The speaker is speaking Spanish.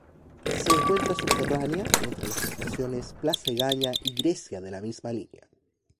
Se encuentra subterránea, entre las estaciones Plaza Egaña y Grecia de la misma línea.